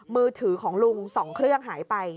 มือถือของลุง๒เครื่องหายไป